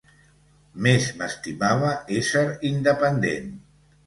Més m'estimava ésser independent.